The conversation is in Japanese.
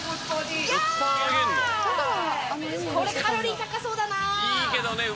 これカロリー高そうだなぁ。